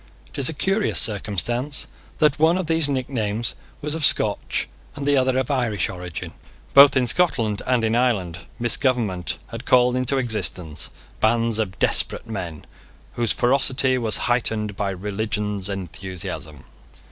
It is a curious circumstance that one of these nicknames was of Scotch, and the other of Irish, origin. Both in Scotland and in Ireland, misgovernment had called into existence bands of desperate men whose ferocity was heightened by religions enthusiasm.